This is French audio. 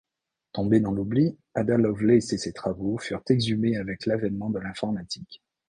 Tombés dans l'oubli, Ada Lovelace et ses travaux furent exhumés avec l'avènement de l'informatique.